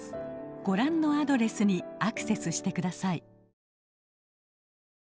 ご覧のアドレスにアクセスしてください。